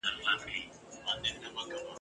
آیا غازیان د خپرېدو په حال کي ول؟